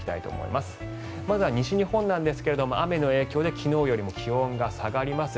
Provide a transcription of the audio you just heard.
まずは西日本なんですが雨の影響で昨日よりも気温が下がります。